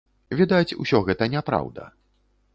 Відаць, усё гэта няпраўда.